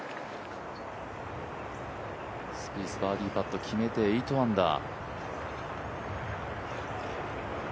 スピース、バーディーパット決めて、８アンダー。